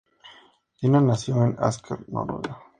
Dina nació en Asker, Noruega.